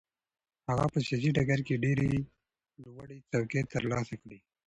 هغه په سیاسي ډګر کې ډېرې لوړې څوکې ترلاسه کړې.